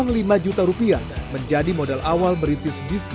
uang lima juta rupiah menjadi modal awal merintis bisnis